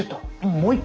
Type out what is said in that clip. もう一回。